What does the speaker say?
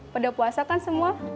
pada puasa kan semua